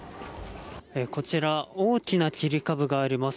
こちら大きな切り株があります。